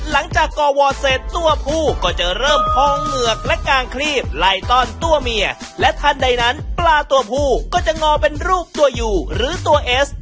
ไล่ต้นตัวเมียและทันใดนั้นปลาตัวผู้ก็จะงอเป็นรูปตัวอยู่หรือตัวเอส